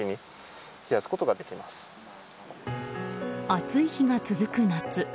暑い日が続く夏。